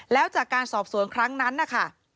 แล้วจากการสอบสวนครั้งนั้นนะคะ